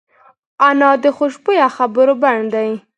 انا د خوشبویه خبرو بڼ دی